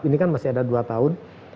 ini kan masih ada dua tahun